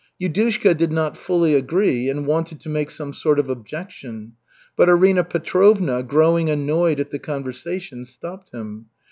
Yudushka did not fully agree and wanted to make some sort of objection, but Arina Petrovna, growing annoyed at the conversation, stopped him.